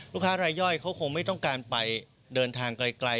ค้ารายย่อยเขาคงไม่ต้องการไปเดินทางไกล